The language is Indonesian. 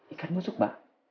ikan busuk pak